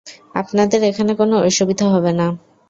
আপনাদের এখানে কোনো অসুবিধা হবে না।